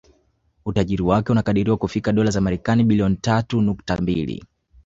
Utajiri wake unakadiriwa kufikia Dola za kimarekani bilioni tatu nukta mbili